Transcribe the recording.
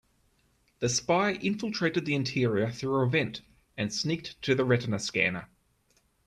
The spy infiltrated the interior through a vent and sneaked to the retina scanner.